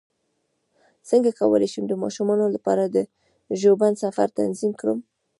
څنګه کولی شم د ماشومانو لپاره د ژوبڼ سفر تنظیم کړم